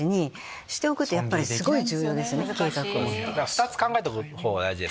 ２つ考えとく方が大事です。